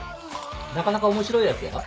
なかなか面白いやつだよ。